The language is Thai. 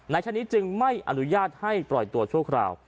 ชนิดจึงไม่อนุญาตให้ปล่อยตัวชั่วคราว